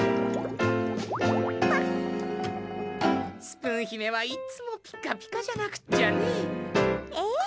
スプーンひめはいつもピカピカじゃなくっちゃねえ。ええ。